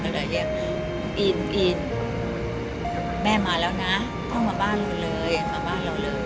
ก็เลยเรียกอินอินแม่มาแล้วนะพ่อมาบ้านเราเลยมาบ้านเราเลย